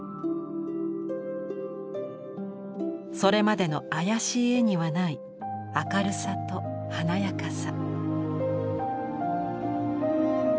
それまでの妖しい絵にはない明るさと華やかさ。